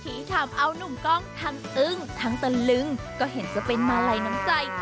ที่ถามเอานุ่งกองทั้งตันลึงก็เห็นจะเป็นมาลัยน้ำใจ